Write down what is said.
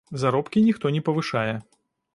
Заробкі ніхто не павышае.